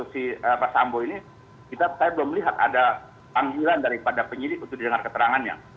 jadi kita tidak melihat ada panggilan dari penyidik untuk mendengar keterangannya